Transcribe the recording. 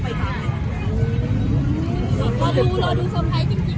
แต่ว่าเราต้องไว้รู้ว่าไปที่ไหน